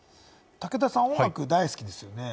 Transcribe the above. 武田さんは音楽大好きですよね？